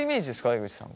江口さん